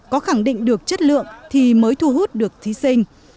có khẳng định được chất lượng thì mới thu hút được thí sinh